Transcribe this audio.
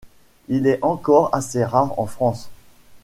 Il est encore assez rare en France.